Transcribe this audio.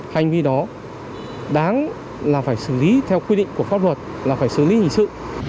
hành vi đó đáng là phải xử lý theo quy định của pháp luật là phải xử lý hình sự